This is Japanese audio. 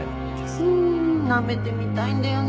うーんなめてみたいんだよね？